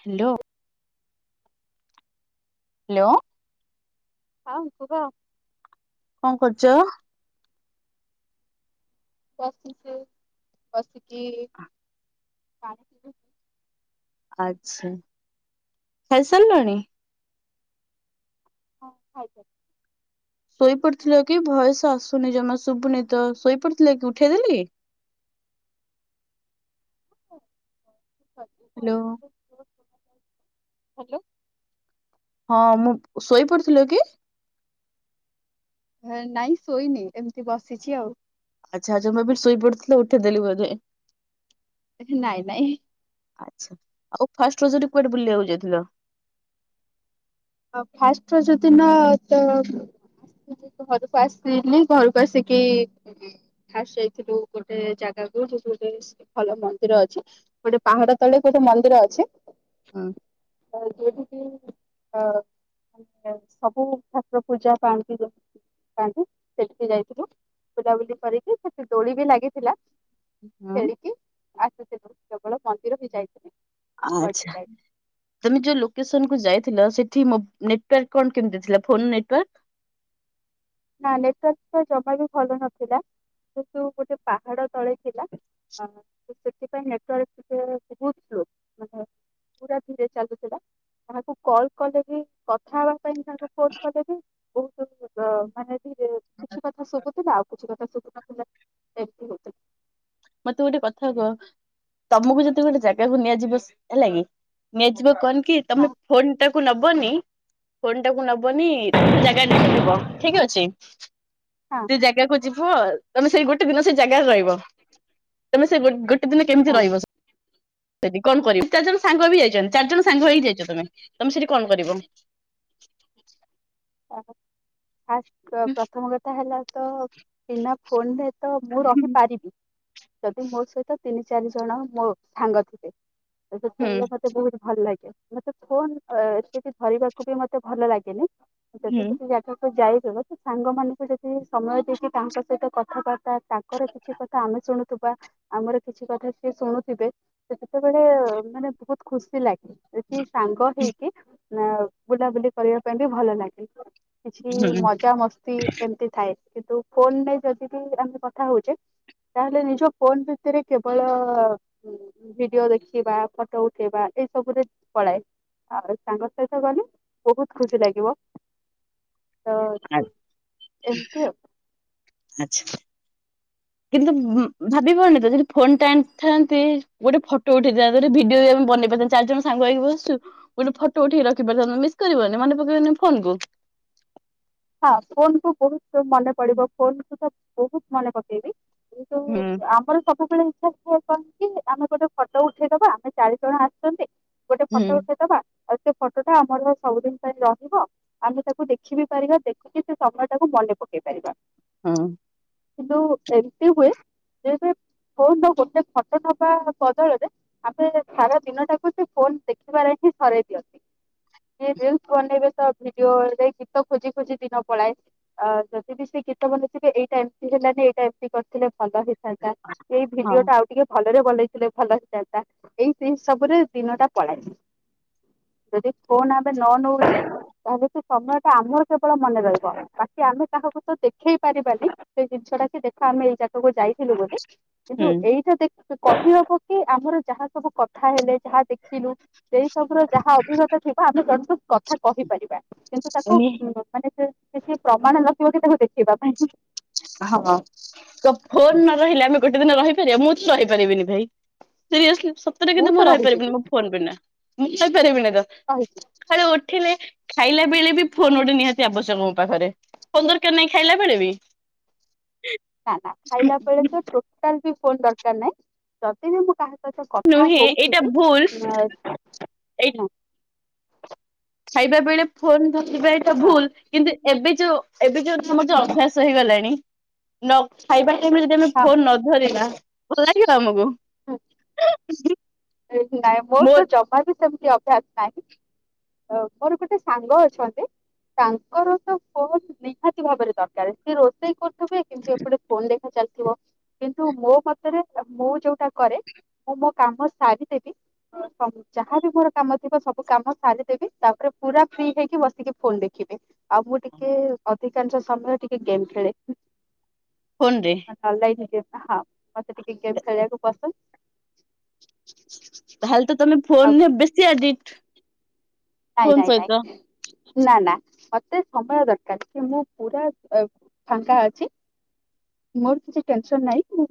Hello. Hello. ହଁ କୁହ। କଣ କରୁଛ। ବସିଛି ବସିକି ପାଣି। ଆଚ୍ଛା ଖାଇ ସାରିଲଣି। ହଁ ଖାଇ ସାରିଲି ଶୋଇ ପଡିଥିଲ କି ଭଏସ ଆସୁନି ଜମା ଶୁଭୁନି ତ ଶୋଇ ପଡିଥିଲ କି ଉଠେଇ ଦେଲି। ହ ହାଲୋ। ହାଲୋ। ହଁ ମୁଁ ଶୋଇ ପଡିଥିଲ କି। ନାଇଁ ଶୋଇନି ଏମିତି ବସିଛି ଆଉ। ଆଚ୍ଛା ଆଚ୍ଛା ମୁଁ ଭାବିଲି ଶୋଇ ପଡୁଥିଲ ଉଠେଇ ଦେଲି ବୋଧେ। ଆରେ ନାଇଁ ନାଇଁ। ଆଚ୍ଛା ଆଉ ଫାଷ୍ଟ ରଜ ରେ କୁଆଡେ ବୁଲିବାକୁ ଯାଇଥିଲ। ଆଉ ଫାଷ୍ଟ ରଜ ଦିନ ତ। ମୁଁ ଯେହେତୁ ଘରକୁ ଆସିଥିଲି ଘରକୁ ଆସିକି। ଫାଷ୍ଟ ଯାଇଥିଲୁ ଗୋଟେ ଜାଗା କୁ ଯୋଉଠି ଗୋଟେ ଭଲ ମନ୍ଦିର ଅଛି ଗୋଟେ ପାହାଡ ତଳେ ଗୋଟେ ମନ୍ଦିର ଅଛି। ଆଉ ଯୋଉଠ କିି। ଅ ମାନେ ସବୁ ଠାକୁର ପୂଜା ପାଆନ୍ତିି। ପାଆନ୍ତି ସେଠିକି ଯାଇଥିଲୁ ବୁଲାବୁଲି କରିକି ସେଠି ଦୋଳି ବି ଲାଗିଥିଲା। ହଁ। ଖେଳିକି ଆସିଥିଲୁ କେବଳ ମନ୍ଦିର ବି ଯାଇଥିଲି। ଆଉ କୁଆଡେ ବି ଆଚ୍ଛା। ଯାଇନି ତମେ ଯୋଉ ଲୋକେସନ କୁ ଯାଇଥିଲ ସେଠି ମୋବ ନେଟୱାର୍କ କଣ କେମିତି ଥିଲା ଫୋନ ନେଟୱାର୍କ? ନା ନେଟୱାର୍କ ତ ଜମା ବି ଭଲ ନଥିଲା କିନ୍ତୁ ଗୋଟେ ପାହାଡ ତଳେ। ଥିଲା ଅ, ତ ସେଥିପାଇଁ ନେଟୱାର୍କ ଟିକେ ବହୁତ ସ୍ଲୋ ମାନେ। ପୁରା ଧୀରେ ଚାଲୁଥିଲା କାହାକୁ କଲ୍ କଲେ ବି କଥା। ଏ ତାଙ୍କୁ ଫୋନ କଲେ ବି ବହୁତ ଅ ମାନେ [unintelligible] କିଛି କଥା ଶୁଭୁଥିଲା ଆଉ କିଛି କ ଥା ଶୁଭୁନଥିଲା। ଏମିତି ହଉ ମତେ ଗୋଟେ କଥା କୁହ। ତମକୁ ଯଦି ଗୋଟେ ଜାଗାକୁ ନିଆଯିବ ହେଲା କିି ନିଆଯିବ କନ କି ତମେ ହଁ ଫୋନ୍ ଟାକୁ ନବନି। ଫୋନ୍ ଟାକୁ ନବନି ଜାଗା ଦେଖିବ ଠିକ ଅଛି। ହଁ। ସେ ଜାଗାକୁ ଯିବ। ତମେ ସେଇ ଗୋଟେ ଦିନ ସେଇ ଜାଗାରେ ରହିବ। ତମେ ସେ ଗୋ-ଗୋଟେ ଦିନ କେମିତି ହଁ। ରହିବ ଦି କଣ କରିବି ଚାରି ଜଣ ସାଙ୍ଗ ବି ଯାଇଛନ୍ତି। ଚାରି ଜଣ ସାଙ୍ଗ ହେଇି ଯାଇଛ ତମେ। ତମେ ସେଠି କଣ କରିବ? ଆ ଫାର୍ଷ୍ଟ ଅ ପ୍ରଥମ କଥା ହେଲା ତ। ବିନା ଫୋନରେ ତ ମୁଁ ରହିପାରିବି। ଯଦି ମୋ ସହିତ ତିନି ଚାରି ଜଣ ମୋ ସାଙ୍ଗ ଥିବେ। ତ ହୁଁ ସେତେବେଳେ ମତେ ବହୁତ। ଭଲ ଲାଗେ। ମତେ ଫୋନ୍ ଆ ସେଠି ଧରିବାକୁ ବି ମତେ ଭଲ ଲାଗେନି ଯଦି ହୁଁ ସେଠି ଜା ଖକୁ ଯାଇହବ ତ ସାଙ୍ଗ ମାନଙ୍କୁ ଯଦି ସମୟ ଦେଇକି ତାଙ୍କ ସହିତ କଥାବା ତା ତାଙ୍କର କିଛି କଥା ଆମେ ଶୁଣୁଥିବା ଆମର କିଛି କଥା ସିଏ ଶୁଣୁଥିବେ। ତ ସେତେବେଳେ ମାନେ ବହୁତ ଖୁସି ଲାଗେ କି ସାଙ୍ଗ ହେଇକି ମ ବୁଲାବୁଲି କରିବା ପାଇଁ ବି ଭଲ ଲାଗେ। କିଛି ମଜା ମସ୍ତି ଏମିତି ଥାଏ। କିନ୍ତୁ ଫୋନରେ ଯଦି ବି ଆମେ କଥା ହଉଛେ। ତାହେଲେ ନିଜ ଫୋନ ବିସୟରେ କେବଳ ଉଁ ଉଁ ଉଁ ଭିଡିଓ ଦେଖିବା ଫଟୋ ଉଠେଇବା ଏ ସବୁରେ ପଳାଏ। ଆଉ ସାଙ୍ଗ ସହିତ ଗଲେ ବହୁତ ଖୁସି ଲାଗିବ। ତ ଏମିତି ଆଉ। ଆଚ୍ଛା। କିନ୍ତୁ ଉଁ ଭାବି ପାରୁନି ଯେ ଯଦି ଫୋନ୍ ଟା ଆଣିଥାନ୍ତେ ଗୋଟେ ଫଟୋ ଉଠେଇଥାନ୍ତେ ଗୋଟେ ଭିଡିଓ ବି ଆମେ ବନେଇ ପାରିଥା ଚାରି ଜଣ ସାଙ୍ଗ ହେଇକି ବସିଚୁ ଗୋଟେ ଫଟୋ ଉଠେଇକି ରଖିପାରିଥାନ୍ତୁ ମିସ୍ କରିବନି ମନେ ପକେଇବନି ଫୋନ କୁ। ହଁ ଫୋନ କୁ ବହୁତ ମନେ ପଡିବ ଫୋନ କୁ ତ ବହୁତ ମନେ ପକେଇବି କିନ୍ତୁ ହୁଁ। ଆମର ସବୁବେଳେ ଇଚ୍ଛା ଥାଏ କଣ କି ଆମେ ଗୋଟେ ଫଟୋ ଉଠେଇଦବା ଆମେ ଚାରି ଜଣ ଆସିଛନ୍ତି। ଗୋଟେ ହୁଁ ଫଟୋ ଉଠେଇଦବା। ଆଉ ସେ ଫଟୋଟା ଆମର ସବୁଦିନ ପାଇଁ ରହିବ। ଆମେ ତାକୁ ଦେଖିବି ପାରିବା ଦେଖିକି ସେ ସମୟ ଟାକୁ ମନେ ପକେଇ ପାରିବା। ହଁ। କିନ୍ତୁ ଏମିତି ହୁଏ ଯେହେତୁ। ଫୋନ୍ ରେ ଗୋଟେ ଫଟୋ ନବା ବଦଳରେ। ଆମେ ସାରା ଦିନ ଟାକୁ ସେ ଫୋନ ଦେଖିବାରେ ହିଁ ସରେଇ ଦିଅନ୍ତି। କିଏ ରିଲ୍ସ ବନେଇବେ ତ ଭିଡିଓରେ ଗୀତ ଖୋଜି ଖୋଜି ଦିନ ପଳାଏ। ଆ ଯଦି ବିି ସେ ଗୀତ ବନେଇଥିବେ ଏଇଟା ଏମିତି ହେଲାନି ଏଇଟା ଏମିତି କରିଥିଲେ ଭଲ ହେଇ ଥାନ୍ତା ଏଇ ହଁ ଭିଡିଓଟା ଆଉ ଟିକେ ଭଲରେ ବନେଇଥିଲେ ଭଲ ହେଇଥାନ୍ତା। ଏଇ ସେଇ ସବୁରେ ଦିନ ଟା ପଳାଏ। ଯଦି ଫୋନ୍ ଆମେ ନ ନଉଛେ ତାହେଲେ ସେ ସମୟ ଆମର କେବଳ ମନେ ରହିବ ବାକି ଆମେ କାହାକୁ ତ ଦେଖେଇ ପାରିବାନି ସେଇ ଜିନିଷ ଟା କି ଦେ ଆମେ ଏଇ ଜାଗାକୁ ଯାଇଥିଲୁ ବୋଲି କିନ୍ତୁ ହୁଁ ଏଇଟା ଦେଖିକି କହିହବ୍ କି ଆମର ଯାହା ସବୁ କଥା ହେଲେ ଯାହା ଦେଖିଲୁ- ସେଇ ସବୁ ର ଯାହା ଅଭିଜ୍ଞତା ଥିବ ଆମେ ଜଣ କୁ କଥା କହିପାରିବା। କିନ୍ତୁ ତାକୁ ଅ ମାନେ ସେ କିଛି ପ୍ରମାଣ ନଥିବ କି ତାକୁ ଦେଖେଇବା ପାଇଁ। ହଁ ତ ଫୋନ ନ ରହିଲେ ଆମେ ଗୋଟେ ଦିନ ରହିପାରିବା। ମୁଁ ତ ରହିପାରିବିନି ଭାଇ। ସିରିଏସ୍ଲି ସତରେ କିନ୍ତୁ ତ ମୁଁ ରହିପାରିବିନି ରହିଯିବି ମୋ ଫୋନ ବିନା। ମୁଁ କହିପାରିବିନି ତ। ରହିଛି ସକାଳୁ ଉଠିଲେ, ଖାଇଲା ବେଳେ ବି ଫୋନ ଗୋଟେ ନିହାତି ଆବଶ୍ୟକ ମୋ ପାଖରେ। ଫୋନ୍ ଦରକାର୍ ନାହିଁ ଖାଇଲା ବେଳେ ବି। ନା ନା ଖାଇଲା ବେଳେ ତ ଟୋଟାଲି ଫୋନ୍ ଦରକାର ନାହିଁ। ଯଦି ବି ମୁଁ କାହା ହିତ କଥା ନୁହେଁ ଏଇଟା ହଉଥିବି ଭୁଲ ନା ଏଇ ଖାଇବା ବେଳେ ଫୋନ ଧରିଥିବା ଏଇଟା ହଁ ଭୁଲ। କିନ୍ତୁ ଏବେ ଯୋଉ ଏବେ ଯୋଉ ଆମର ଯୋଉ ଅଭ୍ୟାସ ହେଇଗଲାଣି। ନ ଖାଇବା ଟାଇମରେ ଯଦି ଆମେ ହଁ ଫୋନ ନ ଧରିବା, ଭଲ ଲାଗିବ ଆମକୁ। [unintelligible] ସେ ନାଇଁ ମୋର ମୋ ତ ଜମା ବି ସେମିତି ଅଭ୍ୟାସ ନାହିଁ। ଅ ମୋର ଗୋଟେ ସାଙ୍ଗ ଅଛନ୍ତି। ତାଙ୍କର ତ ଫୋନ ନିହାତି ଭାବରେ ଦରକାର ସିଏ ରୋଷେଇ କରୁଥିବେ କିନ୍ତୁ ଏପଟେ ଫୋନରେ ଚାଲିଥିବ କିନ୍ତୁ ମୋ ମତରେ ମୁଁ ଯୋଉଟା କରେ ମୁଁ ମୋ କାମ ସାରିକି [unintelligible] ହଁ ଯାହାବି ମୋର କାମ ଥିବ ସବୁ କାମ ସାରିଦେବି ତାପରେ ପୁରା ଫ୍ରି ହେଇକି ବସିକି ଫୋନ ଦେଖିବି ଆଉ ମୁଁ ଟିକେ ଅଧିକାଂଶ ସମୟ ଟିକେ ଗେମ୍ ଖେଳେ ଫୋନ ରେ ଅନଲାଇନ୍ ଗେମ ହଁ ମୋତେ ଟିକେ ଗେମ୍ ଖେଳିବାକୁ ପସନ୍ଦ [unintelligible] ତାହେଲେ ତ ତମେ ଆଉ ଫୋନ ରେ ବେଶୀ ଆଡିକ୍ଟ ନାଇଁ ଫୋନ ନାଇଁ ସହିତ ନାଇଁ ନା ନା ମୋତେ ସମୟ ଦରକାର କି ମୁଁ ପୁରା ଫାଙ୍କା ଅଛି ମୋର କିଛି ଟେନସନ ନାହିଁ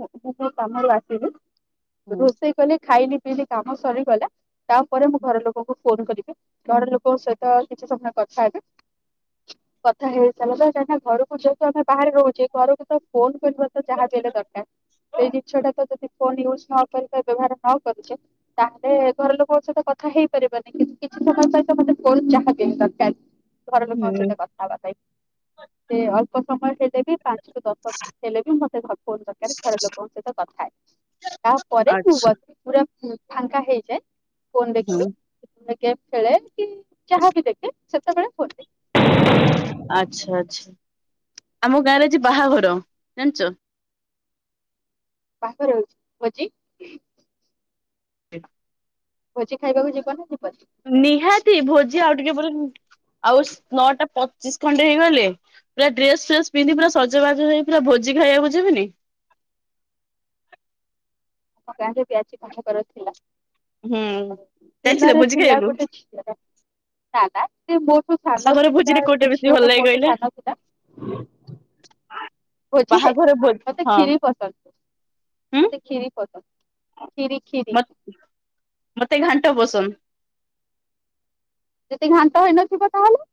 ମୁଁ କାମରୁ ଆସିବି ରୋଷେଇ କଲି ଖାଇଲି ପିଇଲି କାମ ସରିଗଲା ତାପରେ ମୁଁ ଘର ଲୋକଙ୍କୁ ଫୋନ କରିବି ଘର ଲୋକଙ୍କ ସହିତ କିଛି ସମୟ କଥା ହେବି [inaudible] କଥା ହେଇସାରିଲା କାନା ଘରକୁ ଯେହେତୁ ଆମେ ବାହାରେ ରହୁଛେ ଘରକୁ ତ ଫୋନ କରିବା ତ ଯାହା ହେଲେ ଦରକାର ସେଇ ଜିନିଷଟା ତ ଯଦି ଫୋନ ୟୁଜ ନ କଲେ ବ୍ୟବହାର ନ କରୁଛେ ତାହେଲେ ଘର ଲୋକଙ୍କ ସହିତ କଥା ହେଇପାରିବନି କି ସେମାନଙ୍କ ସହିତ ମୋତେ ଫୋନ୍ ଯାହା ବି ଦରକାର ଘର ଲୋକଙ୍କ ହୁଁ ସହିତ କ- [unintelligible] ସେ ଅଳ୍ପ ସମୟ ହେଲେ ବି ପା- ଦଶମିନିଟ ହେଲେ ବି ମୋତେ ଫୋନ୍ ଦରକାର ଘର ଲୋକଙ୍କ ସହିତ କଥାହେବି ତାପରେ ମୁଁ ଆଚ୍ଛା ବସି ପୁରା ଫାଙ୍କା ହେଇଯାଏ ଫୋନ ହୁଁ ଦେଖିବି ଗେମ୍ ଖେଳେ କି ଯାହାବି ଦେଖେ ସେତେବେଳେ ଫୋନ ଦେଖେ ଆଚ୍ଛା ଆଚ୍ଛା ଆମ ଗାଁରେ ଆଜି ବାହାଘର ଜାଣିଛ ବାହାଘର ହୋଉଛି ଭୋଜି [unintelligible] ଭୋଜି ଖାଇବାକୁ ଯିବ ନା ଯିବନି? ନିହାତି ଭୋଜି ଆଉ ଟିକେ ପରେ ଆଉ ନଅଟା ପଚିଶ ଖଣ୍ଡେ ହେଇଗଲେ ପୁରା ଡ୍ରେସ ଫ୍ରେସ ପିନ୍ଧି ପୁରା ସଜବାଜ ହେଇ ପୁରା ଭୋଜି ଖାଇବାକୁ ଯିବିନି ଆମ ଗାଁରେ ବି ଆଜି ବାହାଘର ଥିଲା ହୁଁ ଯାଇଥିଲେ ଦିନରେ ଭୋଜି ଥିଲା ଖାଇବାକୁ? ଗୋଟେ ଝିଅ ନା ନା ସେ ମୋଠୁ ସାନ ବାହାଘର ଥିଲା ଭୋଜିରେ କୋଉଟା ସେ ବେଶୀ ଝିଅ ଭଲ ଟା ଲାଗେ ମୋଠୁ କହିଲେ ସାନ ଥିଲା ଭୋଜିରେ ବାହାଘର ଭୋଜି ହଁ ହୁଁ ମୋତେ ଖିରି ପସନ୍ଦ ଖିରି ଖିରି ମୋତେ ଘାଣ୍ଟ ପସନ୍ଦ ଯଦି ଘାଣ୍ଟ ହେଇନଥିବ ତାହେଲେ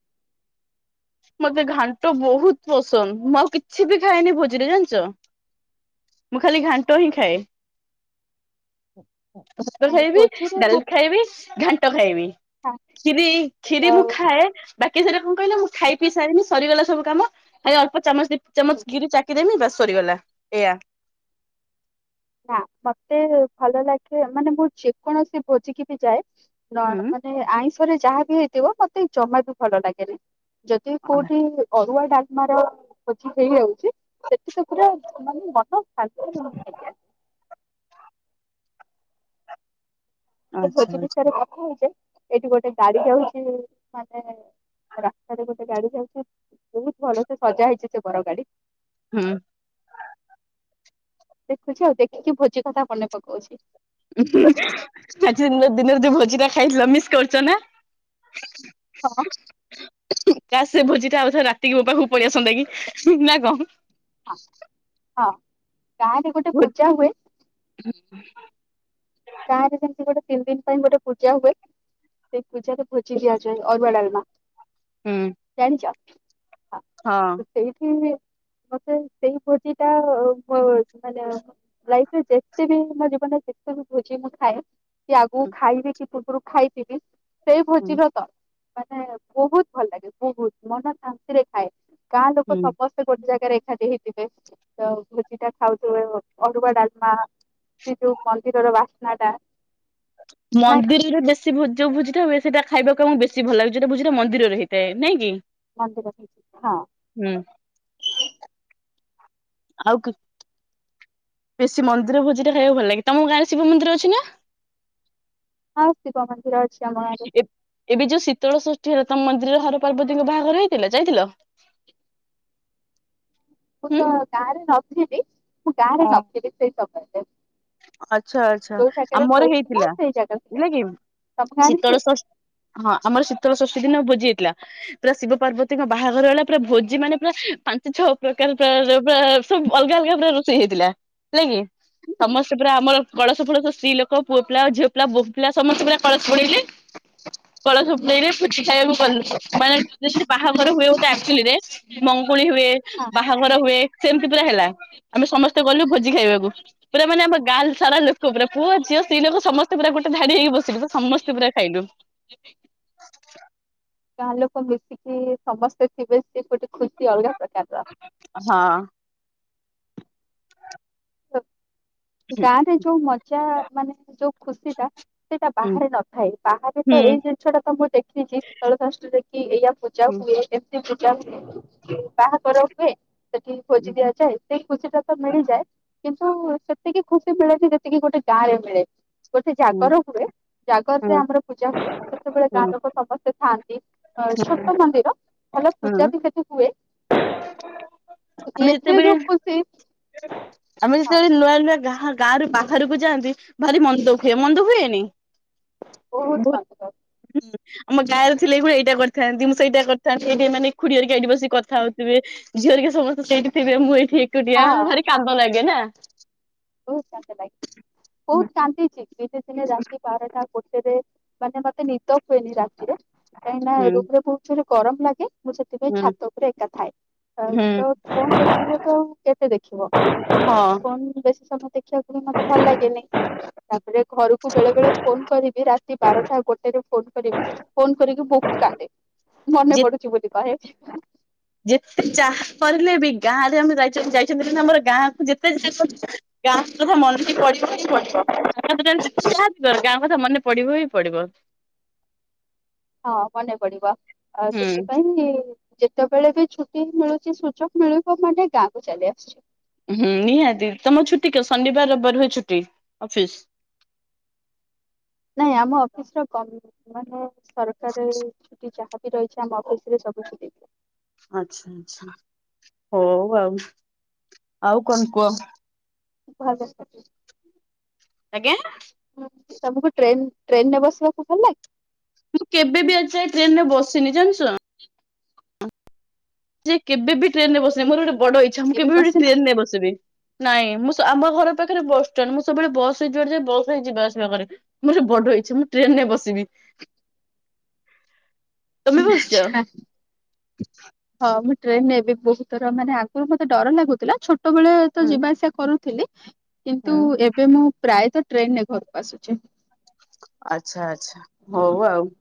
ମତେ ଘାଣ୍ଟ ବହୁତ ପସନ୍ଦ ମୁଁ ଆଉ କିଛି ବି ଖାଏନି ଭୋଜିରେ ଜାଣିଚ। ମୁଁ ଖାଲି ଘାଣ୍ଟ ହିଁ ଖାଏ। ଭାତ ନାଇଁ ଖାଇବି ଭୋଜିରେ ଡାଲି ମତେ ଖାଇବି ଘାଣ୍ଟ ଖାଇବି। କ୍ଷୀରି କ୍ଷୀରି ମୁଁ ଆଉ ଖାଏ ବାକି ସେଟା କଣ କହିଲ ପି ସାଇନି ସରିଗଲା ସବୁ କାମ ଏ ଆଉ ଅଳ୍ପ ଚାମଚ ଦି ଚାମଚ କ୍ଷୀରି ଚାଖିଦେମି ବାସ୍ ସରିଗଲା ଏୟା। ନା ମତେ ଭଲ ଲାଗେ ମାନେ ମୁଁ ଯେକୌଣସି ଭୋଜିିକି ବି ଯାଏ ନ ହୁଁ ମାନେ ଆଇଁଷରେ ଯାହା ବି ହେଇଥିବ ମତେ ଜମାରୁ ଭଲ ଲାଗେନି। ଯଦି କୋଉଠି ଅରୁଆ ଡାଲମାର ଭୋଜି ହେଇଯାଉଚି ସେଠି ତ ପୁରା ମାନେ ମନ ଶାନ୍ତିରେ ମୁଁ ଖାଇଯାଏ। ସେ ଆଚ୍ଛା ଭୋଜି ଆଚ୍ଛା। ବିଷୟରେ କଥା ହଉଛେ ଏଇଠି ଗୋଟେ ଗାଡି ହଉଚି ମାନେ ରାସ୍ତାରେ ଗୋଟେ ଗାଡି ଯାଉଚି ବହୁତ ଭଲ ସେ ସଜା ହେଇଚି ସେ ବର ଗାଡି। ହୁଁ। ଦେଖୁଚି ଆଉ ଦେଖିକି ଭୋଜି କଥା ମନେ ପକଉଚି। ଆଜି ମୋ ଦିନରେ ଯୋଉ ଭୋଜି ଟା ଖାଇଥିଲ ମିସ୍ କରୁଚ ନା। ହଁ ତା ସେ ଭୋଜି ଟା ଆଉଥରେ ରାତିକି ମୋ ପାାଖକୁ ପଳେଇ ଆସନ୍ତା କି ନା କଣ। ହଁ ହଁ ଗାଁ ରେ ଗୋଟେ ହୁଁ ପୂଜା ହୁଏ ଗାଁରେ ଯେମିତି ଗୋଟେ ତିନି ଦିନ ପାଇଁ ଗୋଟେ ପୂଜା ହୁଏ। ସେ ପୁଜାରେ ଭୋଜି ଦିଆ ଯାଏ ଅରୁଆ ଡାଲମା ଜାଣିଚ। ହଁ। ସେଇଠି ହିଁ ମତେ ସେଇ ଭୋଜି ଟା ଉ ମାନେ ଲାଇଫରେ ଯେତେବି ମୋ ଜୀବନରେ ଯେତେ ବି ଭୋଜି ମୁଁ ଖାଏ କି ଆଗକୁ ଖାଇବି କି ପୂର୍ବରୁ ଖାଇଥିବି ସେଇ ହୁଁ ଭୋଜି ଭାତ ମାନେ ବହୁତ ଭଲ ଲାଗେ ବହୁତ ମନ ଶାନ୍ତିରେ ଖାଏ ଗାଁ ଲୋକ ହୁଁ। ସମସ୍ତେ ଗୋ ଟେ ଜାଗାରେ ଏକାଠି ହେଇଥିବେ ତ ଭୋଜିଟା ଖାଉଥିବେ ଅରୁଆ ଡାଲମା ସେ ଯୋଉ ମନ୍ଦିରର ବାସ୍ନା ଟା ନାଇଁ ମନ୍ଦିରରେ ବେଶ ସେ ଭୋ ଯୋଉ ଭୋଜିଟା ହୁଏ ସେଟା ଖାଇବାକୁ ଆମକୁ ବେଶୀ ଭଲ ଲାଗେ ଯୋଉ ଟା ଭୋଜିଟା ମନ୍ଦିରରେ ହେଇଥାଏ ନାଇଁ କି। ମନ୍ଦିର ହେଇଛି ହଁ। ହୁଁ। ଆଉ କି ବେଶୀ ମନ୍ଦିର ଭୋଜିଟା ଖାଇବାକୁ ଭଲ ଲାଗେ ତମ ଗାଁରେ ଶିବ ମନ୍ଦିର ଅଛି ନା। ହଁ ଶିବ ମନ୍ଦିର ଅଛି ଆମ ଗାଁ ରେ। ଏ ଏବେ ଯୋଉ ଶୀତଳ ଷଷ୍ଠୀ ହେଲା ତମ ମନ୍ଦିରର ହର ପାର୍ବତୀଙ୍କ ବାହାଘର ହେଇଥିଲା ଯାଇଥିଲ। ମୁଁ ହୁଁ। ତ ଗାଁରେ ନଥିଲି ମୁଁ ଗାଁ ରେ ନଥିଲି ସେଇ ସମୟରେ। ଆଛା ଆଚ୍ଛା ଯୋଉ ଜାଗାରେ ଆମର ହଉଥିଲା ହେଇଥିଲା ସେଇ ଜାଗାକୁ ଯାଏ ହେଲା କି ତମ ଗାଁରେ ଶୀତଳ ହୁଏ? ସ ହଁ ଆମର ଶୀତଳ ଷଷ୍ଠୀ ଦିନ ଭୋଜି ହେଇଥିଲା। ପୁରା ଶିବ ପାର୍ବତୀଙ୍କ ବାହାଘର ହେଲା ପୁରା ଭୋଜି ମାନେ ପୁରା ପାଞ୍ଚ ଛଅ ପ୍ରକାର ତ ସବ ଆ ସବୁ ଅଲଗା ଅଲଗା ପୁରା ରୋଷେଇ ହେଇଥିଲା ହେଲା କି ସମସ୍ ସ୍ତ ଆମର କଳସ ଫଳସ ସ୍ତ୍ରୀ ଲୋକ ପୁଅ ପିଲା ଝିଅ ପିଲା ବୋହୂ ପିଲା ସମସ୍ତେ ପୁରା କଳସ ବୁଡେଇଲେ। କଳସବ ନେଇଲେ ଭୋଜି ଖାଇବା ବି କୁ ଗଲୁ ମାନେ ଯେମିତି ବାହାଘର ହୁଏ ଗୋଟେ ଆଚଲିରେ ମଙ୍ଗୁଳି ହୁଏ ହଁ ବାହାଘର ହୁଏ ସେମିତି ପୁରା ହେଲା। ଆମେ ସମସ୍ତେ ଗଲୁ ଭୋଜି ଖାଇବାକୁ ପୁରା ମାନେ ଆମ ଗାଁ ଲ ସାରା ଲୋକ ପୂରା ପୁଅ ଝିଅ ସ୍ତ୍ରୀ ଲୋକ ସମସ୍ତେ ପୂରା ଗୋଟେ ଧାଡି ହେଇକି ବସିଲୁ ପୂରା ସମସ୍ତେ ପୁରା ଖାଇଲୁ। ଗାଁ ଲୋକ ମିଶିକି ସମସ୍ତେ ଥିବେ ସେ ଗୋଟେ ଖୁସି ଅଲଗା ପ୍ରକାର ର। ହଁ। ଗାଁରେ ଯୋଉ ମଜା ମାନେ ଯୋଉ ଖୁସି ଟା ସେଇଟା ହୁଁ ବାହାରେ ନଥାଏ ବାହାରେ ତ ଏଇ ଜିନିଷଟା ତ ମୁଁ ଦେଖିଛି ଶୀତଳ ଶଷ୍ଟି ରେ କି ଏଇୟା ପୂଜା ହୁଁ ହୁଏ। ପୂଜା ହୁଏ ବାହାଘର ହୁଏ ସେଠିକି ଭୋଜି ଦିଆଯାଏ। ସେ ଖୁସି ଟା ତ ମିଳିଯାଏ କିନ୍ତୁ ସେତିକି ଖୁସି ମିଳେନି ଯେତିକି ଗୋଟେ ଗାଁରେ ମିଳେ। ଗୋଟେ ହୁଁ ଜାଗର ହୁଏ। ଜାଗରରେ ହୁଁ ଆମର ପୂଜା ହୁଏ ସେତେବେଳେ ହୁଁ ଗାଁ ଲୋକ ସମସ୍ତେ ଥାଆନ୍ତି ଅ ଛୋଟ ମନ୍ଦିର। ଭଲ ପୂଜା ହୁଁ ବି ସେଠି ହୁଏ ଆମେ ଏଥିରେ ଯେତେବେଳେ ଯୋଉ ଖୁସି ଆମେ ହଁ ଯେତେବେଳେ ନୂଆ ନୂଆ ଗାଁ ଗାଁରୁ ବାହାରକୁ ଯାଆନ୍ତି ଭାରି ମନ ଦୁଃଖ। ସେମନ୍ଦ ହୁଏନି ବହୁତ ମନ୍ଦିର [unintelligible] ଆମ ଗାଁରେ ଥିଲେ ଏଇଳି ଏଇଟା କରି ଥାନ୍ତି ମୁଁ ସେଇଟା କରିଥାନ୍ତି ଏଇଠି ଏମାନେ ଖୁଡି ଖୁଡିଆରିକ ଏଠି ବସିକି କଥାଉ ଥିବେ ଝିଅରିକା ସମସ୍ତେ ସେଇଠି ଥିବେ ମୁଁ ଏଇଠି ଏକୁଟିଆ ହଁ ଭାରି କାନ୍ଦ ଲାଗେ ନା। ବହୁତ କାନ୍ଦ ଲାଗଛି ବହୁତ କାନ୍ଦିଛି ଦିନେ ଦିନେ ରାତି ବାର ଟା ଗୋଟେ ରେ। ମାନେ ମତେ ନିଦ ହୁଏନି ରାତିରେ କାହିଁକି ନା ହୁଁ ରୁମରେ ବହୁତ୍ ଜୋରେ ଗରମ ଲାଗେ। ମୁଁ ସେଥିପାଇଁ ହୁଁ। ଛାତ ଉପରେ ଏକା ଥାଏ ହୁଁ ତ ଫୋନ ଦେଖିବ ତ କେତେ ଦେଖିବ। ହଁ ଫୋନ କୁ ବେଶୀ ସମୟ ଦେଖିବାକୁ ବି ମତେ ଭଲ ଲାଗେନି। ତାପରେ ଘରକୁ ବେଳେବେଳେ ଫୋନ କରିବି ରାତି ବାରଟା ଗୋଟେରେ ଫୋନ କରିବି। ଫୋନ କରିକି ବହୁତ କାନ୍ଦେ ମନେ ଯେ ପଡୁଛି ବୋଲି କହେ। ଯେତେ ଯାହା କରିଲେ ବି ଗାଁ ରେ ଆମେ ଯାଇ ଯାଇଛନ୍ତି ଆମର ଗାଁକୁ ଯେତେ ଯାହା ଗାଁ କଥା ମନେ ପଡିବ ପିଡିବ। ଗାଁ କଥା ମନେ ପଡିବ ହିଁ ପଡିବ। ହଁ ମନେ ପଡିବ ଆଉ ହୁଁ। ସେଥିପାଇଁ ଯେତେବେଳେ ବି ଛୁଟି ମିଳୁଛି ସୁଯୋଗ ମିଳିବ ମାନେ ଗାଁକୁ ଚାଲି ଆସୁଛି। ହୁଁ ନିହାତି ତମ ଛୁଟି କେ ଶନିବାର ରବିବାର ହୁଏ ଛୁଟି ଅଫିସ୍? ନାଇଁ ଆମ ଅଫିସ୍ ର କମ ମାନେ ସରକାରି ଛୁଟି ଯାହା ରହିଛି ଆମ ଅଫିସ୍ ରେ ସବୁ ଛୁଟି। ଆଚ୍ଛା ଆଚ୍ଛା ହଉ ଆଉ ଆଉ କଣ କୁହ। [unintelligible] ଆଜ୍ଞା। ତମକୁ ଟ୍ରେନ ଟ୍ରେନରେ ବସିବାକୁ ଭଲ ଲାଗେ? ମୁଁ କେବେ ବିି ଆଜି ଯାଏ ଟ୍ରେନରେ ବସିନି ଜାଣିଛ। ଯେ କେବେ ବି ଟ୍ରେନରେ ବସିବି ମୋର ଗୋଟେ ବଡ ଇଚ୍ଛା ମୁଁ କେବେ ବି ଗୋଟେ ଟ୍ରେନରେ ବସିବି। ନାଇଁ ମୁଁ ସା ଆମ ଘର ପାଖରେ ବସଷ୍ଟାଣ୍ଡ। ମୁଁ ସବୁବେଳେ ବସରେ ଯୁଆଡେ ଯାଏ ବସରେ ହିଁ ଯିବା ଆସିବା କରେ। ମୋର ବଡ ଇଚ୍ଛା ମୁଁ ଟ୍ରେନରେ ବସିବି। ତମେ ବସିଚ? ଆଚ୍ଛା। ହଁ ମୁଁ ଟ୍ରେନରେ ବି ବହୁତ ଥର ମାନେ ଆଗରୁ ମତେ ଡର ଲାଗୁଥିଲା ଛୋଟବେଳେ ତ ହୁଁ ଯିବା ଆସିବା କରୁଥିଲି କିନ୍ତୁ ହୁଁ ଏବେ ମୁଁ ପ୍ରାୟତ ଟ୍ରେନରେ ଘରକୁ ଆସୁଛି। ଆଚ୍ଛା ଆଚ୍ଛା ହଉ ଆଉ।